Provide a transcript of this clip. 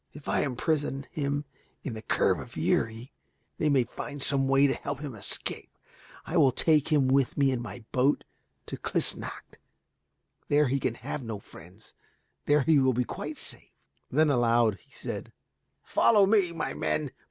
"If I imprison him in the Curb of Uri, they may find some way to help him to escape. I will take him with me in my boat to Klissnacht. There he can have no friends. There he will be quite safe." Then aloud he said, "Follow me, my men.